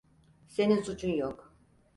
Senin suçun yok.